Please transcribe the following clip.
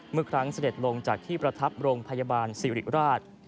เมื่อครั้งเสด็จลงจากที่ประทับโรงพยาบาลสิริราช